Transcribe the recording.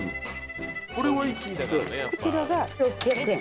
こちらが６００円。